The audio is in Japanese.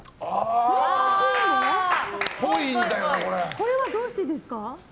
これはどうしてですか？